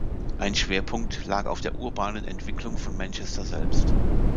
Ein Schwerpunkt lag auf der urbanen Entwicklung von Manchester selbst.